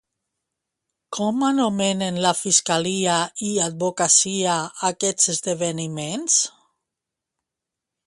Com anomenen la fiscalia i advocacia aquests esdeveniments?